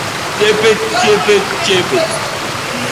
Espainiar estatuan emititzen zuen lehen kate pribatua izan zen.